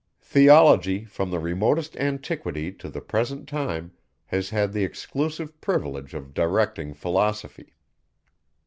Theology, from the remotest antiquity to the present time, has had the exclusive privilege of directing philosophy.